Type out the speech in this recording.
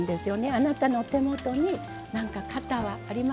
あなたの手元に何か型はありませんか？